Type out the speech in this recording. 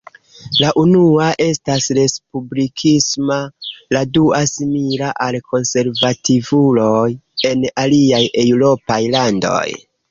La unua estas respublikisma, la dua simila al konservativuloj en aliaj eŭropaj landoj.